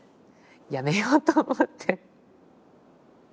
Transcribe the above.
やめようと思って。